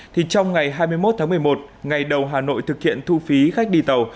thì trong ngày hai mươi một tháng một mươi một ngày đầu hà nội thực hiện thu phí khách đi tàu